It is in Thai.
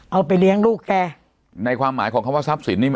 เอาไปเลี้ยงลูกแกในความหมายของคำว่าทรัพย์สินนี่